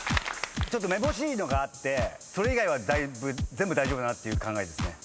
ちょっとめぼしいのがあってそれ以外は全部大丈夫だなっていう考えですね。